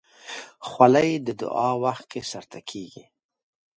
خولۍ د دعا وخت کې سر ته کېږي.